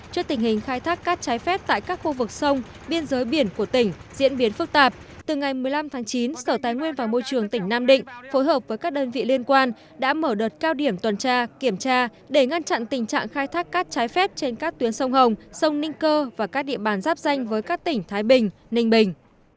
trước tình hình khai thác cát trái phép tại các khu vực sông biên giới biển của tỉnh diễn biến phức tạp từ ngày một mươi năm tháng chín sở tài nguyên và môi trường tỉnh nam định phối hợp với các đơn vị liên quan đã mở đợt cao điểm tuần tra kiểm tra để ngăn chặn tình trạng khai thác cát trái phép trên các tuyến sông hồng sông ninh cơ và các địa bàn giáp danh với các tỉnh thái bình ninh bình